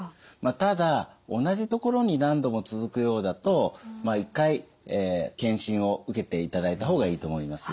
ただ同じところに何度も続くようだと一回検診を受けていただいた方がいいと思います。